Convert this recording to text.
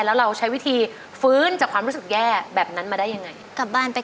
แล้วเราใช้วิธีฟื้นจากความรู้สึกแย่แบบนั้นมาได้ยังไงกลับบ้านไป